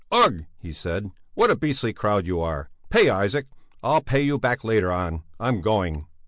"Ugh!" he said, "what a beastly crowd you are! Pay, Isaac, I'll pay you back later on; I'm going."